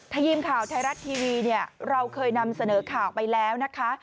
ทีมข่าวไทยรัฐทีวีเนี่ยเราเคยนำเสนอข่าวไปแล้วนะคะ